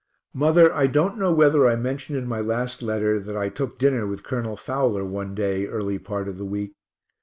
Mother, I don't know whether I mentioned in my last letter that I took dinner with Col. Fowler one day early part of the week.